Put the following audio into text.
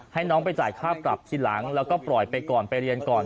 ให้น้องไปจ่ายค่าปรับทีหลังแล้วก็ปล่อยไปก่อนไปเรียนก่อน